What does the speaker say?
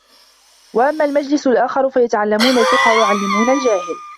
وَأَمَّا الْمَجْلِسُ الْآخَرُ فَيَتَعَلَّمُونَ الْفِقْهَ وَيُعَلِّمُونَ الْجَاهِلَ